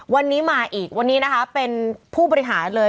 วันนี้มาอีกวันนี้นะคะเป็นผู้บริหารเลย